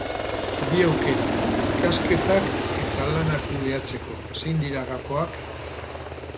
Bi aukerak, ikasketak eta lana kudeatzeko, zein dira gakoak?